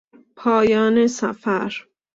پایان سفر